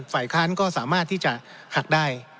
ฝ่ายค้านก็สามารถที่จะหักได้